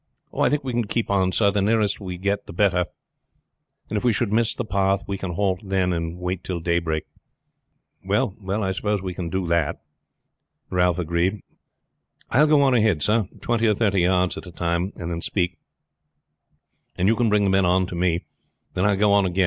"I think we can keep on, sir. The nearer we get there the better; and if we should miss the path we can halt then and wait till daybreak." "Well, we can do that," Ralph agreed. "I will go on ahead, sir, twenty or thirty yards at a time and then speak, and you can bring the men on to me, then I will go on again.